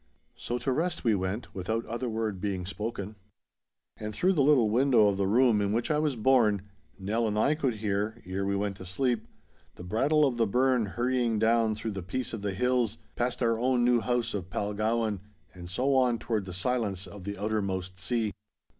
So to rest we went, without other word spoken. And through the little window of the room in which I was born, Nell and I could hear, ere we went to sleep, the brattle of the burn hurrying down through the peace of the hills, past our own new house of Palgowan and so on toward the silence of the outermost sea.